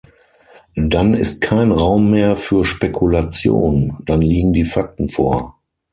Dann ist kein Raum mehr für Spekulation, dann liegen die Fakten vor.